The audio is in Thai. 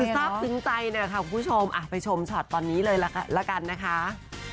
คือทรัพย์ถึงใจนะครับคุณผู้ชมไปชมชอตตอนนี้เลยละกันนะคะ